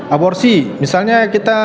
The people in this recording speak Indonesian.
aborsi misalnya kita